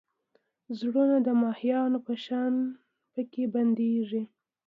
زړونه د ماهیانو په شان پکې بندېږي.